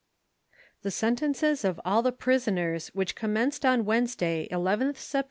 THE SENTENCES OF ALL THE PRISONERS, WHICH COMMENCED ON WEDNESDAY, 11th Sept.